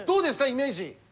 イメージ。